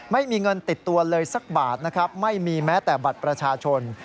ไม่มีเงินติดตัวเลยสักบาทนะครับไม่มีแม้แต่บัตรประชาชน